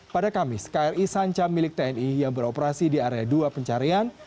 pada kamis kri sanca milik tni yang beroperasi di area dua pencarian